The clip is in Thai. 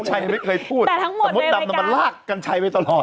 ชัยไม่เคยพูดแต่มดดำมันลากกันชัยไปตลอด